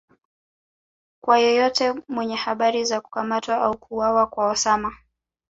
kwa yeyote mwenye habari za kukamatwa au kuuwawa kwa Osama